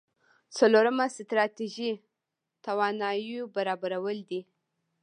څلورمه ستراتيژي تواناییو برابرول دي.